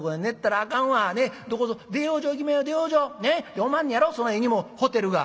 でおまんねやろその絵にもホテルが」。